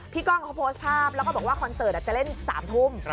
กล้องเขาโพสต์ภาพแล้วก็บอกว่าคอนเสิร์ตจะเล่น๓ทุ่ม